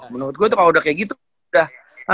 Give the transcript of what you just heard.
menurut gue itu kalo udah kayak gitu udah